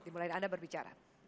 dimulai dari anda berbicara